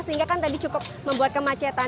sehingga kan tadi cukup membuat kemacetan